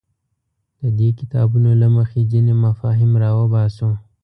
د دې کتابونو له مخې ځینې مفاهیم راوباسو.